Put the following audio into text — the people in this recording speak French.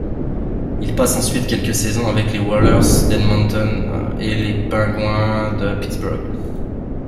Il passe ensuite quelques saisons avec les Oilers d'Edmonton et les Penguins de Pittsburgh.